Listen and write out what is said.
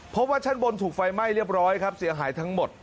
เพราะว่าชั้นบนถูกไฟไหม้เรียบร้อยครับเสียหายทั้งหมด